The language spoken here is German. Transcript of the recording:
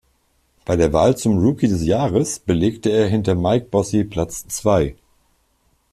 Bei der Wahl zum Rookie des Jahres, belegte er hinter Mike Bossy Platz zwei.